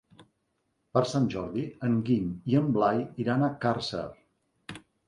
Per Sant Jordi en Guim i en Blai iran a Càrcer.